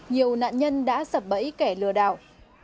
nhiều nạn nhân đã sập bẫy kẻ lừa đạo